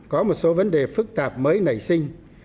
có một số vấn đề phức tạp mới nảy sinh